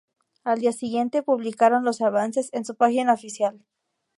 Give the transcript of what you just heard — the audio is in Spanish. Al día siguiente, publicaron los avances en su página oficial.